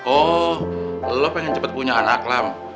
oh lu pengen cepet punya anak lam